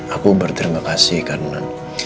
aku berterima kasih karena